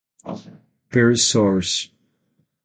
Per source.